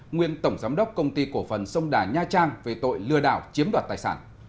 nguyên tổng giám đốc công ty cổ phần sông đà nha trang về tội lừa đảo chiếm đoạt tài sản